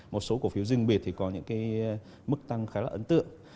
một số cổ phiếu riêng biệt thì có những cái mức tăng khá là ấn tượng